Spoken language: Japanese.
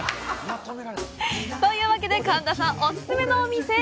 というわけで、神田さんお勧めのお店へ。